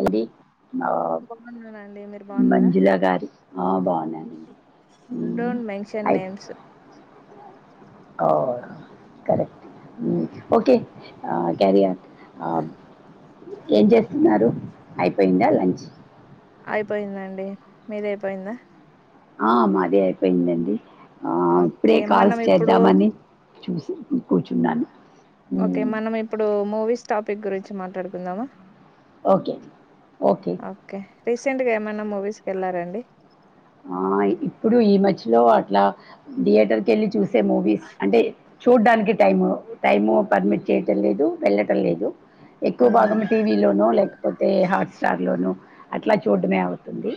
అల్ది ఆ బాగున్నానండి మీరు బాగున్నారా మంజుల గారి ఆ బానే ఉన్నాం don't mention names a correct okay career ఏం జె న్నారు అయిపోయిందా లంచ్ అయిపోయిందండి మీద అయిపోయిందా ఆ మాదే అయిపోయిందండి ఆ ఇప్పుడే ఓకే కాల్స్ మనం ఇప్పుడు చేద్దామని చూసి ఇప్పుడు కూర్చున్నాను ఓకే మ్మ్. మనం ఇప్పుడు మూవీస్ టాపిక్ గురించి మాట్లాడుకుందామా ఓకే ఓకే రీసెంట్గా ఏమన్నా మూవీస్ కి వెళ్ళారండి ఆ ఇప్పుడు ఈ మధ్యలో అట్లా థియేటర్ కెళ్ళి చూసి సేమ్ మూవీస్ అంటే చూడ్డానికి టైము టైము పర్మిట్ చేయటం లేదు వెళ్ళటం లేదు. ఎక్కువ అవునా భాగం టీవీ లోనో లేకపోతే హాట్స్టార్ లోనో అట్లా చూడ్డమే అవుతుంది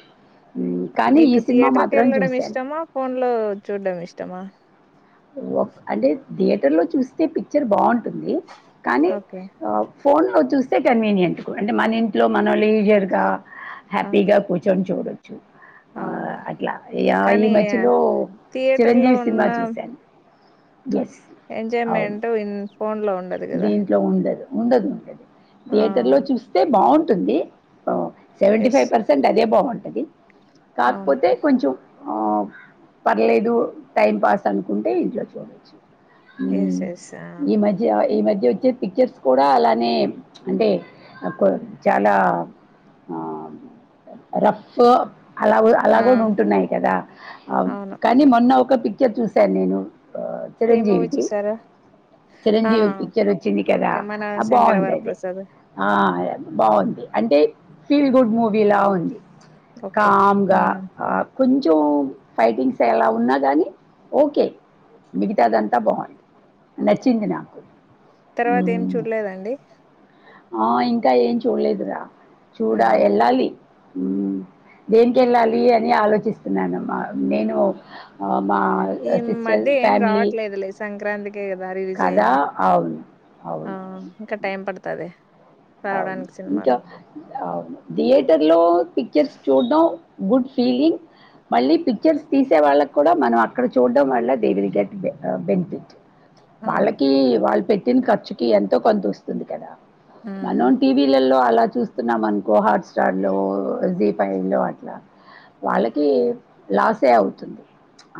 హ్మ్ కానీ ఈ మీకు సినిమా థియేటర్ మాత్రం కెళ్ళడం చూశాను. ఇష్టమా ఫోన్ లో చూడం ఇష్ ఇతమ అంటే థియేటర్ లో చూస్తే పిక్చర్ బాగు టుంది కానీ ఓకే ఆ ఫోన్ లో చూస్ కన్వీనియంట్ కు అంటే మన ఇంట్లో మన వోళ్ ప్లీజర్ గా ఆ హ్యాపీగా కూర్చొన్ చూడడం ఆ అవును అట్లా ఈ కానీ మధ్యలో థియేటర్ లో చిరంజీవి సినిమా ఉన్న చూస్ అవును. ఎంజాయ్మెంట్ ఇన్ ఫోన్లో ఉండదు కదా దీంట్లో ఉండదు. ఉండదు ఉండది ఆ థియేటర్ లో చూస్తే బాగుం ఉంటుంది. ఓ సేవేంటీ ఎస్ ఫైవ్ పర్సెంట్ అదే బాగు అది అవును కాకపోతే కొంచెం ఆ పర్లేదు టైం పాస్ అనుకుంటే ఇంట్లో చూడొచ్చు. Yes hmm. ఎస్ ఆ ఈ మధ్య ఈ మధ్య వచ్చే పిక్చర్స్ కూడా అలానే అంటే చాలా ఆ రఫు అలా కూడా అలా ఆ కూడా ఉంటున్నాయి కదా ఆ అవును కానీ మొన్న ఒక పి పిక్చర్ చుసాను నేను ఆహ్, ఏ మూవీ చిరంజీవిది. చూసారా చిరంజీవి పిక్చర్ వచ్చింది కదా ఆ శంకరవర బాగున్నాది ప్రసాద్ అ ఆ బాగుంది అంటే ఫీల్ గుడ్ మూవీలా ఉంది. ఓకే కామ్ గా ఉమ్ అ కొంచెం ఫైటింగ్స్ ఎలా ఉన్నా గానీ ఓకే మిగితా అదంతా బాగుంది న నచ్చింది నా తర్వాత ఏం చూడలేదండి. ఆ ఇంకా ఏం చూడలేదురా చూడా ఉమ్ ఎళ్ళాలి. హ్మ్ దేనికెళ్ళాలి అని ఆలోచిస్తున్నానమ్మా నేను ఆహ్, మా ఈ సిస్టర్ మధ్య ఏం ఫ్యామిలీ రావట్లేదులే సంక్రాంతికి దారిస్ రే కదా! ఏంది అవును. ఆ అవును. ఇంకా టైం పడతాది పే అవును ఇంకా ఇంకా అవును థియేటర్ లో పిక్చర్స్ చూడ్డం గుడ్ ఫీలింగ్. మళ్ళీ పిక్చర్స్ తీసే వాళ్ళకి కూడా మనం అక్కడ చూడడం వల్ల దే విల్ గెట్ బెనిఫిట్. అవును వాళ్ళకి వాళ్ళు పెట్ ట్టిన ఖర్చుకి ఎంతో కొంత వస్తుంది కదా ఉమ్ మనం టీవీలల్ లో అలా చూస్తున్నాం అనుకో హాట్స్టార్ లో జీ ఫైవ్ లో అట్లా వాళ్ళకి లాసే అవుతుంది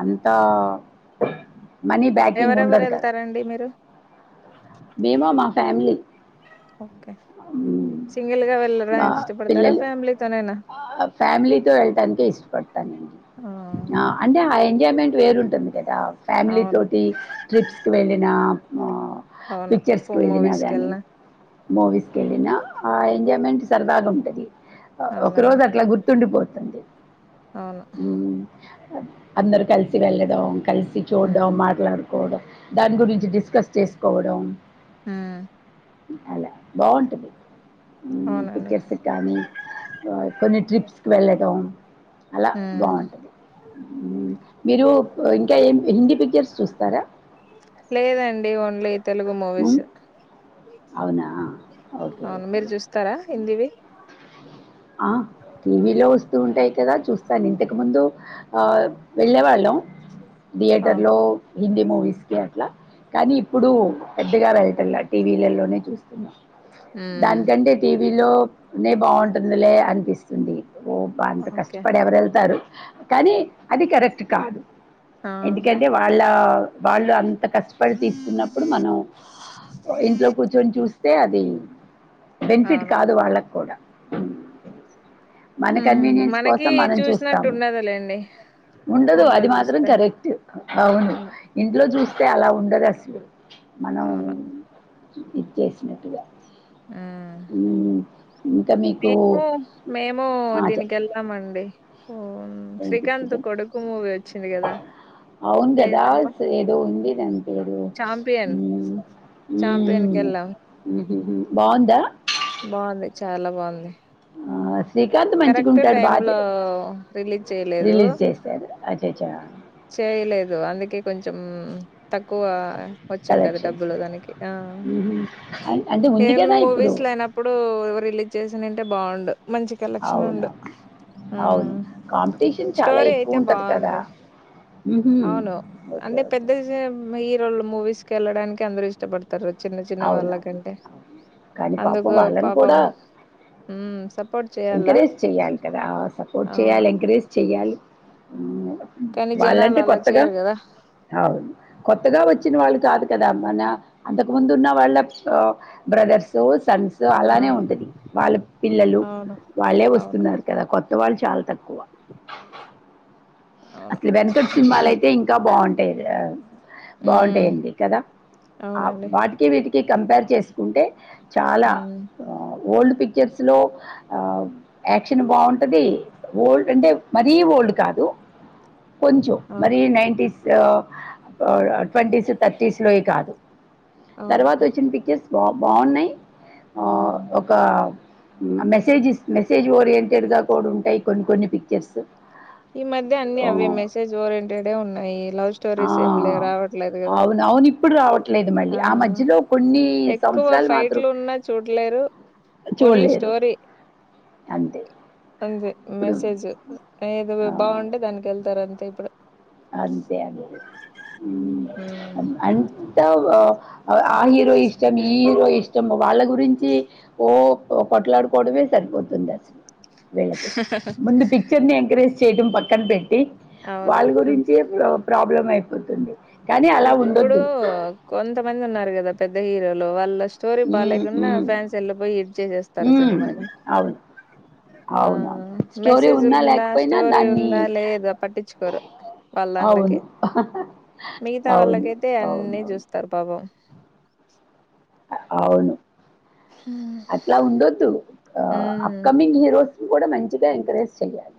అంతా మనీ బ్యాకింగ్ ఎవరెవరు ఉండదు కదా వెళ్తారండి మీరు మేము మా ఫ్యామిలీ ఓ మా ఇష్టపడతారా పిల్లలు ఫ్యామిలీతోనేనా ఆ ఫ్యామిలీతో వెళ్ళటానికే ఇష్టం. అండి ఆ ఆ అంటే ఆయన్ ఎంజాయ్మెంట్ వేరు ఉంటుంది రా ఫ్యామిలీ అవును తోటి ట్రిప్ కి వెళ్ళి నాప్మో అవును పిక్చర్స్ కి మూవీస్ వెళ్ళినగాని కెళ్ళిన మూవీస్ కేళ్ళినా ఆ ఎంజాయ్మెంట్ సరదాగా ఉంటది. ఒక అవునండి రోజు అట్లా గుర్తుండిపోత్ తందె అవును హ్ అందరు కలిసి వెళ్ళడం కలిసి చూడ్డం ఉమ్ మాట్లాడుకోవడం దాని గురించి డిస్కస్ చేసుకోవడం ఉమ్ అలా బాగుంటది అవునండి పిక్చర్స్ కానీ కొన్ని ట్రిప్స్ వెళ్ళడం అలా హ్మ్ బాగుంటది మీరుప్ ఓ ఇంకా ఏం హిందీప్ లేదండి ఓన్లీప్ తెలుగు మూవీస్ మ్మ్. అవునా ఓకే అవును ఓకే మీరు చూస్తారా హిందీవి ఆ! టీవీలో వస్తూ ఉంటాయి కదా చూస్తాను ఇంతకు ముందు ఆ వెళ్ళే వాళ్ళం ఆ దియేటర్ లో హిందీ మూవీస్కి అట్లా కానీ ఇప్పుడు పెద్దగా వెళ్లాటంలా టీవీలల్లోనే చూస్తున్నాం హ్మ్ దాన్ కంటే టీవీలో నే బాగుంట్ ఉందిలే అనిపిస్తుంది ఓ బా అంత ఓకే కష్టపడి ఎవరెళ్తారు కాని అది కరెక్ట్ కాదు ఆ ఎందుకంటే వాళ్ళ వాళ్ళు అంత్ అంత కష్టపడి తీస్తున్నప్పుడు మనం ఇంట్లో కూర్చొని చూస్ స్తే అది బెన్ఫిట్ అవును కాదు వాళ్ళక్ కూడా [unintelligible] [inaudible] మన హ్మ్ కన్వీనియన్స్ మనకి కోసం మనం చూసినట్టు చూస్తాము ఉండదులేండి ఉండదు ఫోన్ లో అది మాత్రం చూస్తే కరెక్ట్ అవును ఇంట్లో చూస్ తే అలా ఉండదండి మనం అవును ఇచ్చేసినట్టుగా హ్మ్ అ ఉ మేము మేము దీనికి చెప్పండి వెళ్తామండి [inaudible] మూవీ వచ్చింది కదా అవును కదా ఏదబ్బా అస ఏదో ఉంది దాని పేరు చాంపియన్ చాంపియన్ కి వెళ్ళాం బాగుందా బాగుంది చాలా బాగుంది ఆ, శ్రీకాంత్ మంచిగా కరెక్ట్ ఉంటాడు టైమ్ లో బాగా రిలీజ్ చేయలేదు రిలీజ్ చేశారు అచ్చా చేయలేదు అందుకే కొంచం తక్కువ వచ్చిందట కలెక్షన్స్ డబ్బులు దానికి ఆ అంటే ఉంది ఏం కదా ఇప్పుడు మూవీస్ లేనప్పుడు [unintelligible] రిలీజ్ చేసిన అంటే బాగుండు మంచి కలెక్షన్ ఉండు అవునవును అవును ఉమ్. కా [unintelligible] చాలా స్టోరీ అయితే ఎక్కువ ఉంటది కదా బాగుంది ఉహుం. అవును ఓకే అంటే ఓకే పెద్ద హీరోలు మూవీస్. కెల్లడానికి అందరూ ఇష్టపడుతారు. [unintelligible] చిన్న చిన్న అవునవును వాళ్ళకంటే కానీ పాపం అందుకు వాళ్ళని పాపం. కూడా హ్మ్ చెప్ ఎంకరేజ్ చెయ్యాలి కదా? సపోర్ట్ అవును చేయాలి, ఎంకరేజ్ చెయ్యాలి. అ కానీ [unintelligible] జనాలు వాళ్ళంటే అలా కొత్తగా చేయరు కదా అవు కొత్తగా వచ్చిన వాళ్ళు కాదు. కదా! మన అంతకు ముందు ఉన్న వాళ్ళ బ్రదర్స్. సో ఆ సన్స్అలానే ఉంటది వాళ్ళ పిల్లలు. అవును వాళ్ళే అవును వస్తున్నారు కదా కొత్త వాళ్ళు చాల్ అవును అసలు వెంకట్ సినిమాల అయితే, ఇంకా బాగుంట్ [inaudible] ఉమ్ బాగుంటాయండి కదా, ఆ అవునండి వాటికి వీటికి కంపేర్ చేసుకుంటే చే చాలా, ఉమ్ ఓల్డ్. పిక్చర్స్ లో ఆ యాక్షన్ బాగుంటది, ఓల్డ్ అంటే మరీ ఓల్డ్ కాదు. కొంచెం మరి అవును నైన్టీస్ లో అవునా ట్వంటీస్ థర్టీస్ లోవి కాదు. అవును తర్వాత వచ్చిన పిక్చర్స్. బా బాన్నాయి ఒక మెసేజెస్ మెసేజ్ ఓరియంటెడ్గా కూడా ఉంటాయి కొన్ని కొన్ని పిక్చర్స్. ఈ మధ్య అన్ని అవే మెసేజ్ ఓరియంటెడే ఉన్నాయి. లవ్ స్టోరీస్ ఏం లే రావట్లేదు కదా? ఇప్పుడురావట్ లేదు మళ్ళీ ఆ మధ్యలో కొన్ని ఎక్కువ సంవత్సరాలు మాత్రం ఫైట్లు ఉన్నా చూడలేరు ఓన్లీ చూడలేరు స్టోరీ అంతే. అంతే ఇప్పుడు మెసేజ్ ఏది ఆ బాగుంటే దానికి ఎళ్ [unintelligible] తరఅంతే ఇప్పుడు. అంతే అండి హ్మ్ ఉమ్ అన్ [unintelligible] ఆ హీరో ఇష్టం ఈ హీరో ఇష్ట్ ఇష్టం వాళ్ళ గురించి ఓ కొట్లాడుకోవడమే సరిపోతుంది అసలు. వీళ్ళకు మొన్న పిక్చర్ ని ఎంకరేజ్ చేయటం పక్కనపెట్టిచ అవును ప్రాబ్లం అయిపోతుంది కానీ అలా ఇప్పుడు ఉండొద్దు కొంతమంది ఉన్నారు కదా పెద్ద హీరోలు వాళ్ల స్టోరీ హ్మ్ బాలేకున్న హ్మ్ ఫ్యాన్స్ వెళ్ళపోయి హిట్ చేసేస్తారు హ్మ్ సినిమాని అవును ఆ అవునవును స్టోరీ మెసేజ్ ఉన్నా ఉందా లేకపోయినా స్టోరీ దాన్ని ఉందా లేదా పట్టించుకోరు వాళ్ళ అల్లకి అవును అవును మిగతా అవును వాళ్లకైతే అన్ని అవును చూస్తారు పాపం [unintelligible] అవును అట్లా ఉండొద్దు ఉమ్ అప్కమింగ్ హీరో కూడా మంచిగా ఎంకరేజ్ చేయాలి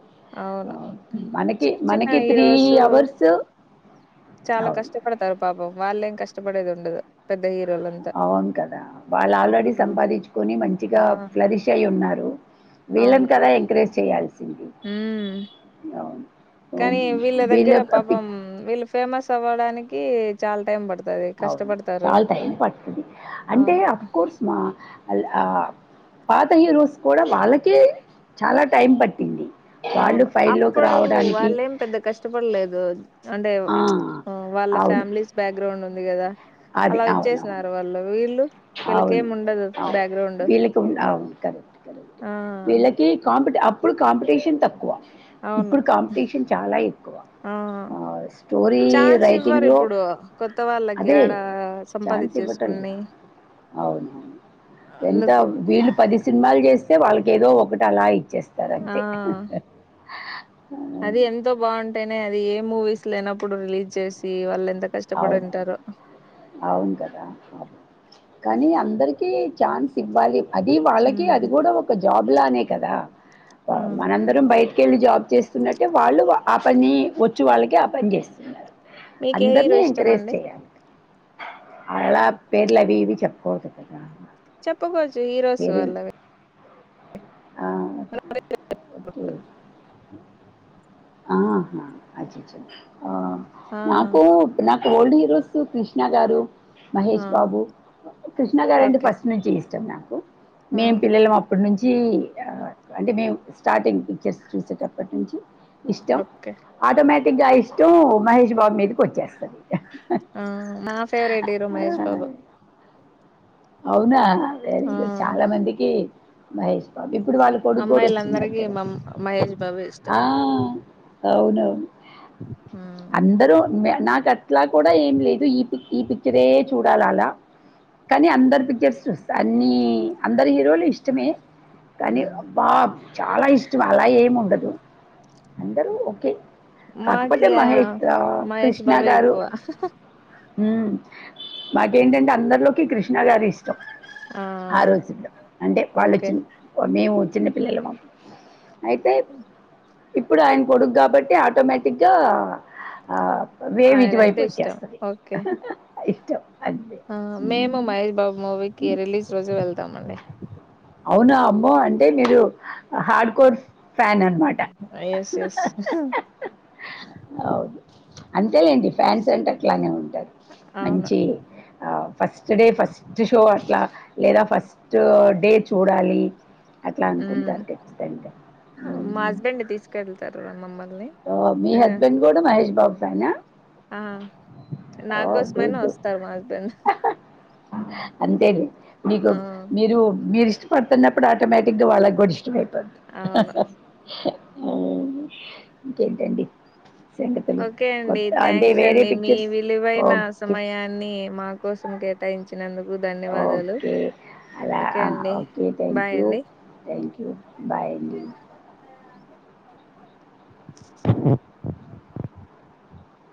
ఆ, అవును మనకి చిన్న చిన్న మనకి త్రీ హీరోసు అవర్స్ చాలా అవును కష్టపడతారు పాపం వాళ్లే కష్ట కష్టపడేది ఉండదు పెద్ద హీరోలంతా అవును కదా వాళ్ళు ఆల్రెడీ హ్మ్. సంపాదించుకొని ఆ మంచిగా ఫ్లరిష్ అయి ఉన్నారు అవును వీళ్ళని కదా ఎంకరేజ్ చేయాల్సింది హామ్ అవును కానీ వీళ్ళ దగ్గర పాపం వీళ్ళు ఫేమస్ అవ్వడానికి చాలా టైం పడుతు అవును చాలా టైమ్ పడుతుంది అంటే అవును అఫ్ కోర్స్ మా ఆ పాత హీరోస్ కూడా వాళ్ళకే చాలా టైం పట్టింది. వాళ్ళు అవును ఫైల్‌లోకి అప్పుడు రావడానికి వాళ్ళేం పెద్ద కష్టపలేదు. అంటే ఆ! వాళ్ళ అవును. ఫ్యామిలీస్ బ్యాగ్రౌండ్ ఉంది కదా అది అలా అవునవును. వచ్చేసినారు వాళ్ళు వీళ్ళు అవును వీళ్ళకేం ఉండదు అవును బ్యాక్గ్రౌండ్ వీళ్ళకి అవును కరెక్ట్ కరెక్ట్ ఆ వీళ్ళకి అప్పుడు కాంపిటీషన్ తక్కువ అవును ఇప్పుడు కాంపిటీషన్ చాలా ఎక్కువ. ఆ ఆహ్, స్టోరీ ఛాన్స్ ఇవ్వరు రైటింగ్‌లో ఇప్పుడు కొత్త వాళ్ళకి అదే ఏడ సంపాదించేసుకుని అవును ఎంత అందుకు వీళ్లు పది సినిమాలు చేస్ వాళ్ళకి ఏదో ఒకటి అలా ఇచ్చేస్తారు ఆ అంతే. అది ఎంతో బాగుంటే అది ఏ మూవీస్ లేనప్పుడు రిలీజ్ చేసి వాళ్ళ ఏ అవును అవును కదా కానీ అందరికి ఛాన్స్ ఇవ్వాలి. అది వాళ్ళకి ఉమ్ అది కూడా ఒక జాబ్ లానే కదా అవును మనందరం బయ కెళ్ళి జాబ్ చేస్తున్నట్టే వాళ్ళు ఆ పని వచ్చు వాళ్ళకే ఆ పని చేస్తుర్ మీకే హీరో దని ఇష్టం ఎంకరేజ్ అండి చేయండ్ అలా పేర్లు అవి ఇవి చెపకోదూడ్ చెప్పకోచ్చు హీరోస్ వాల్లవి ఆ ఓకే ఆ ఆ ఆ నాకు ఇప్ ఓల్డ్ హీరోస్ క్రిష్ణ గారు ఆ మహేష్ బాబు క్రిష్ణ గారు అంటే ఓకే ఫస్ట్ నుంచి ఇష్టం నాక్ హ్ ఆ మేం పిల్లలం అప్పట్ నుంచి జీ [unintelligible] అంటే మేము స్టార్టింగ్ పిక్చర్స్ చూసేటప్పటి నుంచి ఇష్టం ఓకే ఆటోమ్యాట్ ఇంగా ఇష్టం మహేష్ బాబు మీదకి వచ్చేస్తది ఆ నా ఫేవరెట్ హీరో ఆ! మహేష్ బాబు అవునా ఆ వెరీ ఆ గుడ్ చాలా మందికి మహేష్ బాబీమ్ ఇప్పుడు వాళ్ళ కొడుకుడ వస్తున్నారు అమ్మాయిలందరికీ కదా మ మహేష్ బాబే ఇష్టం ఆ అవునవును ఉమ్ అందరూ మ్య నాకు అట్లా కూడా ఏం లేదు ఈ ఈ పిక్చరే చూడాల అలా కానీ అం అందరు పిక్చర్స్ చూస్తా అన్ని అందరు హీరోలు ఇష్టమే కానీ ఉమ్ అబ్ బాబ్ చాలా ఇష్టం అలా ఏమి ఉండదు అందరు ఓకే మాకి కాకపోతే ఆ మహేష్ ఆహ్, మహేష్ బాబే ఎక్కువ ఆహ్ ఆహ్ ఉమ్ మాకేంటంటే అందరిలోకి క్రిష్ క్రిష్ణ గారే ఇష్టం ఆ రోజుల్లో అంటే ఓకే వాళ్ళులోచ్చిన్ మేము చిన్నపిల్లలు మమ్ ఆయితే ఇప్పుడు ఆయన కొడుకు గాబట్టి ఆటోమేటిక్ గా ఆ వేవ్ ఇటు వైపు ఆయనంటే వచ్చేస్తది అహహహ ఇష్టం అంతే ఆహ్ మేము ఉమ్. మహ్ ష్ బాబు మూవీకి రిలీజ్ రోజే వెళ్తామండి అవునా అమ్మో అంటే మీరు హార్డ్ కోర్స్ ఫ్యాన్ అన్నమాట ఎస్ ఎస్ అవును అంతేలేండి ఫ్యాన్స్ అంటే అట్లానే ఉ టది అవును మంచి ఆహ్ ఫస్ట్ డే ఫస్ట్ షో అట్ల లేదా ఫస్ట్ డే చు చూడాలి అట్లా మ్మ్ అనుకుంటారు ఖచ్చితంగా హ్మ్ హు మమ్మల్ హా మీ హస్బెండ్ గూడా మహేష్ బాబ్ ఫ్యానా ఆహ్ నా ఓ గుడ్ కోసమైనా గుడ్ వస్తారు మా హస్బెండ్ అంతేలే మీకు ఆ మీరు మీఇస్ ష్ట పడుతున్నప్పుడు ఆటోమేటిక్గా వాళ్ళ గూడా ఇష్టంమే అవును అవును ఇంకేంటండి సంగతులు ఓకే అండి కొత్త అంటే థ్యాంక్స్ వేరే అండి మీ పిక్చర్స్ విలువైన ఓకే సమయాన్ని మా కోసం కేటాయించి నందుకు ఓకే అలా ఓకే అండి ఓకే థ్యాంక్ బాయ్ యు అండి థ్యాంక్ యు బాయ్ అండి